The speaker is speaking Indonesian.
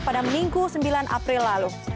pada minggu sembilan april lalu